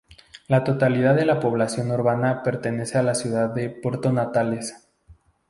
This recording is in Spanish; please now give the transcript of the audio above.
La totalidad de la población urbana pertenece a la ciudad de Puerto Natales.